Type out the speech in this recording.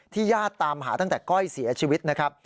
ญาติตามหาตั้งแต่ก้อยเสียชีวิตนะครับ